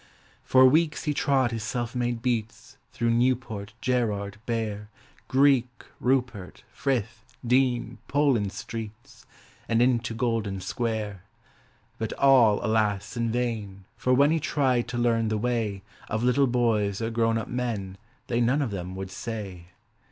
For weeks he trod his self made beats Through Newport, Gerrard, Bear, Greek, Rupert, Frith, Dean, Poland Streets, And into Golden Square: But all, alas, in vain, for when He tried to learn the way Of little boys or grown up men They none of them would say.